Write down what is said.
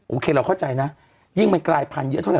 โอเคเราเข้าใจนะยิ่งมันกลายพันธุเยอะเท่าไ